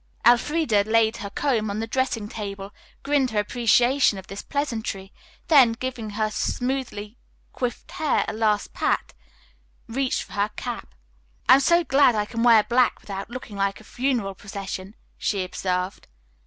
Elfreda laid her comb on the dressing table, grinned her appreciation of this pleasantry, then, giving her smoothly coiffed hair a last pat, reached for her cap. "I am so glad I can wear black without looking like a funeral procession," she observed.